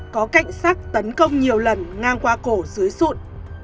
có cạnh sắc tấn công nhiều lần ngang qua cổ dưới sụn